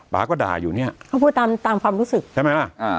ป๊าก็ด่าอยู่เนี่ยเขาพูดตามตามความรู้สึกใช่ไหมล่ะอ่า